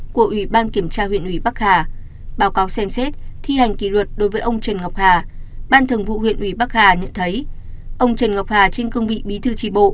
xin chào và hẹn gặp lại